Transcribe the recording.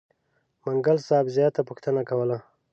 منګل صاحب زیاته پوښتنه کوله.